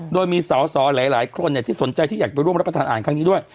โดยมีสอสอหลายคนที่สนใจที่อยากไปร่วมรับประทานอาหารครั้งนี้ด้วย